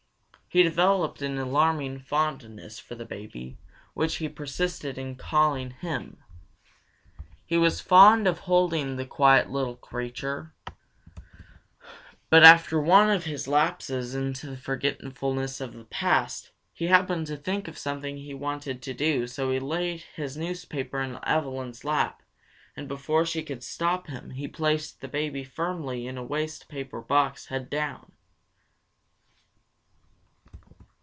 He developed an alarming fondness for the baby, which he persisted in calling "him." He was fond of holding the quiet little creature, but after one of his lapses into the forgetfulness of the past, he happened to think of something he wanted to do so he laid his newspaper in Evelyn's lap, and before she could stop him placed the baby firmly in a waste paper box head down.